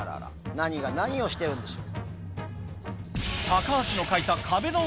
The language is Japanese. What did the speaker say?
何が何をしてるんでしょう？